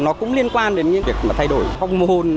nó cũng liên quan đến những việc mà thay đổi phong hồn